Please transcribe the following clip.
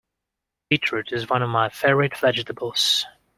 Beetroot is one of my favourite vegetables